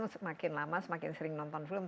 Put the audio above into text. semakin lama semakin sering nonton film